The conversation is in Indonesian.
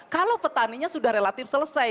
kalau petaninya sudah relatif selesai